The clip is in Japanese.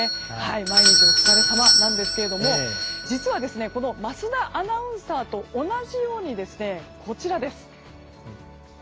毎日、お疲れさまなんですけども実は、この桝田アナウンサーと同じようにこちらです。